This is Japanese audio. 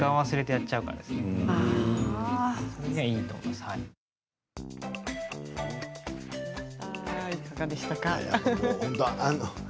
いかがでしたか？